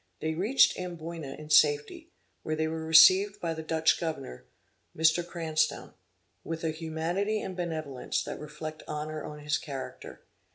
They reached Amboyna in safety, where they were received by the Dutch governor, Mr. Cranstoun, with a humanity and benevolence that reflect honor on his character.